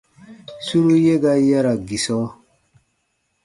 Suru ye ga yara gisɔ.